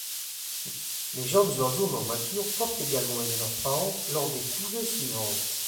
Les jeunes oiseaux non matures peuvent également aider leurs parents lors des couvées suivantes.